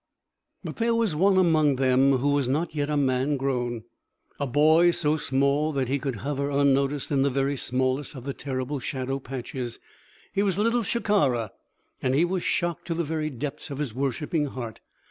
But there was one among them who was not yet a man grown; a boy so small that he could hover, unnoticed, in the very smallest of the terrible shadow patches. He was Little Shikara, and he was shocked to the very depths of his worshipping heart.